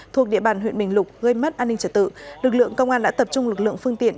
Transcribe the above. thuộc địa bàn huyện bình lục gây mất an ninh trật tự lực lượng công an đã tập trung lực lượng phương tiện